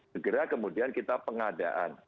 segera kemudian kita pengadaan